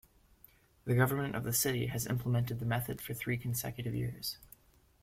The government of the city has implemented the method for three consecutive years.